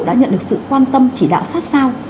đã nhận được sự quan tâm chỉ đạo sát sao